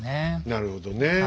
なるほどね。